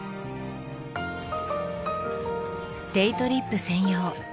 デイトリップ専用。